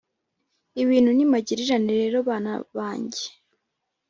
Ibintu ni magirirane rero bana bange